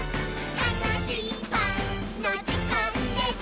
「たのしいパンのじかんです！」